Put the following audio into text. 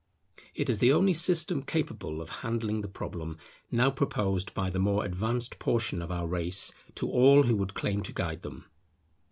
It is the only system capable of handling the problem now proposed by the more advanced portion of our race to all who would claim to guide them.